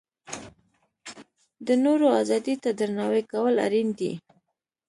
د نورو ازادۍ ته درناوی کول اړین دي.